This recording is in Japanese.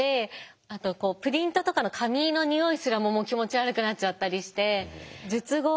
あとプリントとかの紙のにおいすらも気持ち悪くなっちゃったりして術後